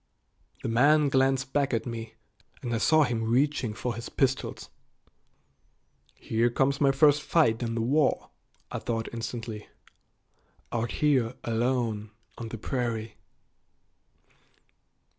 The man glanced back at me, and I saw him reaching for his pistols. "Here comes my first fight in the war," I thought instantly, "out here alone on the prairie."